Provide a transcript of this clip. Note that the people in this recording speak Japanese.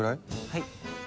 はい！